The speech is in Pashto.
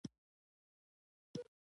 جلال آباد ته روان شو.